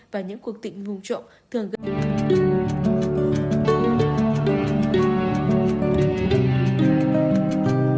và những cuộc tình nguồn trộm thường gần hơn